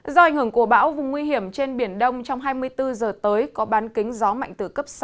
do ảnh hưởng của bão vùng nguy hiểm trên biển đông trong hai mươi bốn giờ tới có bán kính gió mạnh từ cấp sáu